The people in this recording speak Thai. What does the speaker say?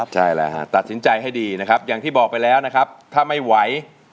ใช่แล้วฮะตัดสินใจให้ดีนะครับอย่างที่บอกไปแล้วนะครับถ้าไม่ไหว